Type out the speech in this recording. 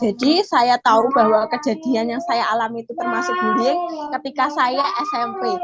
jadi saya tahu bahwa kejadian yang saya alami itu termasuk bullying ketika saya smp